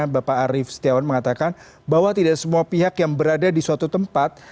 bapak arief setiawan mengatakan bahwa tidak semua pihak yang berada di suatu tempat